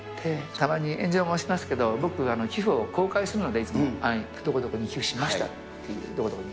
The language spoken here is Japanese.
たまに炎上もしますけれども、僕、寄付を公開するので、いつも、どこどこに寄付しましたっていう、どこどこに。